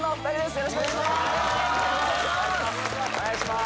よろしくお願いします